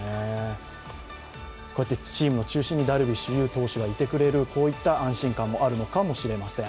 こうやってチームの中心にダルビッシュ有選手がいてくれてこういった安心感もあるのかもしれません。